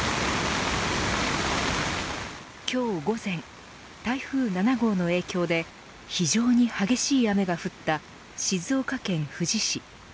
今日午前台風７号の影響で非常に激しい雨が降った静岡県富士市。